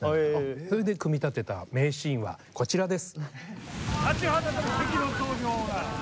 それで組み立てた名シーンはこちらです。